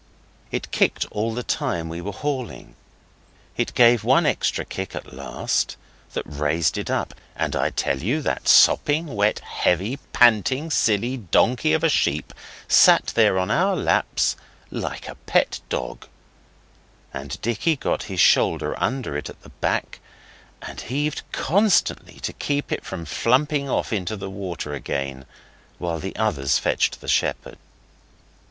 It kicked all the time we were hauling. It gave one extra kick at last, that raised it up, and I tell you that sopping wet, heavy, panting, silly donkey of a sheep sat there on our laps like a pet dog; and Dicky got his shoulder under it at the back and heaved constantly to keep it from flumping off into the water again, while the others fetched the shepherd.